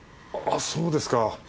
あっそうですか。